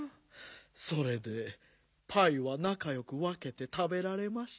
それでパイはなかよくわけてたべられましたか？